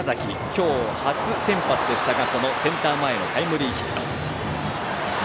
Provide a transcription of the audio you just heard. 今日、初先発でしたがセンター前へのタイムリーヒット。